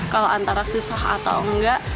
kalau antara susah atau enggak